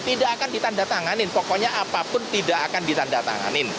tidak akan ditandatanganin pokoknya apapun tidak akan ditandatanganin